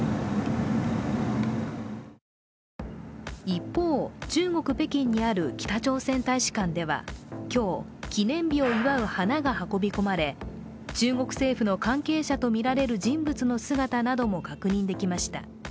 一方、中国・北京にある北朝鮮大使館では今日記念日を祝う花が運び込まれ中国政府の関係者とみられる人物の姿なども確認できました。